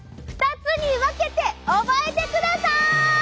２つに分けて覚えてください！